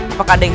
apa ada yang